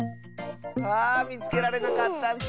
あみつけられなかったッス！